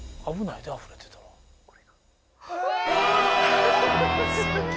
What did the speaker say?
危ないであふれてたら。